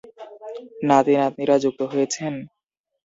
নাতি–নাতনিরা যুক্ত হয়েছেন?